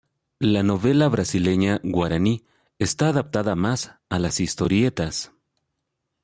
La novela brasileña Guaraní está adapta más a las historietas.